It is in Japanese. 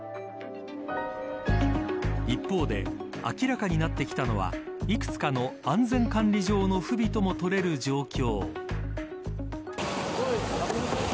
一方で、明らかになってきたのはいくつかの安全管理上の不備ともとれる状況。